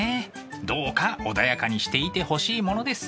どうか穏やかにしていてほしいものです。